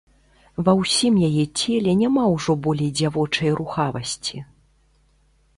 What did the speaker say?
Ва ўсім яе целе няма ўжо болей дзявочай рухавасці.